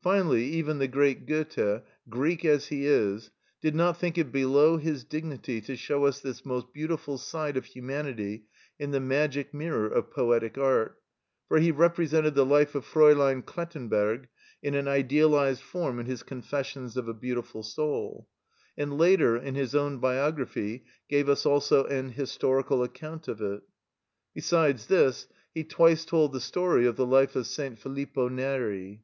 Finally, even the great Goethe, Greek as he is, did not think it below his dignity to show us this most beautiful side of humanity in the magic mirror of poetic art, for he represented the life of Fräulein Klettenberg in an idealised form in his "Confessions of a Beautiful Soul," and later, in his own biography, gave us also an historical account of it. Besides this, he twice told the story of the life of St. Philippo Neri.